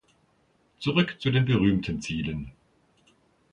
Zurück zu den berühmten Zielen.